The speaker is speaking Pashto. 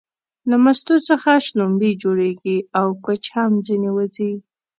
له مستو څخه شلومبې جوړيږي او کوچ هم ځنې وځي